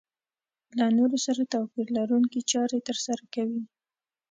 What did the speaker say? له نورو سره توپير لرونکې چارې ترسره کوي.